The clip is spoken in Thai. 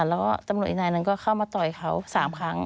แล้วก็ตำรวจอีกนายหนึ่งก็เข้ามาต่อยเขา๓ครั้ง